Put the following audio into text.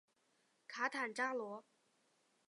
卡坦扎罗。